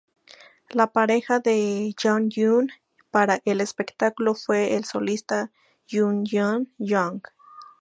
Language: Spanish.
La pareja de Jonghyun para el espectáculo fue el solista Jung Joon Young.